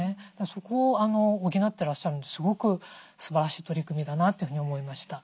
そこを補ってらっしゃるのですごくすばらしい取り組みだなというふうに思いました。